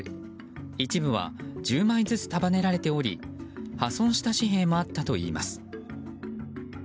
一部は１０枚ずつ束ねられており破損した紙幣もあったといいます。